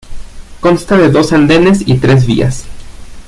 Consta de dos andenes y tres vías.